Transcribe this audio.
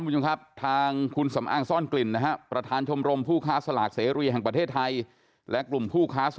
ก็ใช่ครับมันก็จะทำให้มองได้ว่าการที่ไปจับกลุ่มอะไรอย่างนี้นะครับ